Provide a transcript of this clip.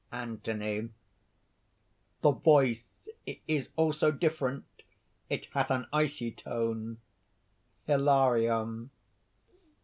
ANTHONY. "The voice is also different. It hath an icy tone." HILARION.